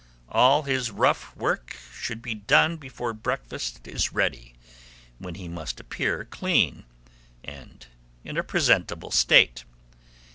All his rough work should be done before breakfast is ready, when he must appear clean, and in a presentable state.